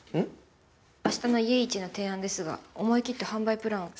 明日のイエイチへの提案ですが思い切って販売プランを。